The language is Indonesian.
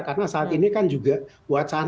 karena saat ini kan juga buat sana